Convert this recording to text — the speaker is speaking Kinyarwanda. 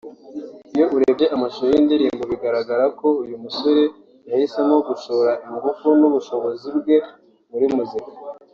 Iyo urebye amashusho y’iyi ndirimbo bigaragara ko uyu musore yahisemo gushora ingufu n’ubushobozi bwe muri muzika